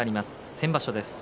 先場所です。